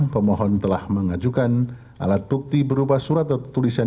pemohon telah mengajukan alat bukti berupa surat tulisan